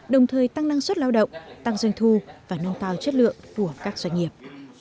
đồng thời tăng năng suất lao động tăng doanh thu và nâng cao chất lượng của các doanh nghiệp